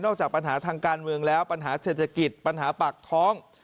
จากปัญหาทางการเมืองแล้วปัญหาเศรษฐกิจปัญหาปากท้อง